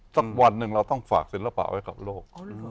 สักวันหนึ่งเราต้องฝากศิลปะไว้กับโลก